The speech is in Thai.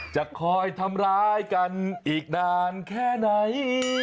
จะคอยทำร้ายกันอีกนานแค่ไหน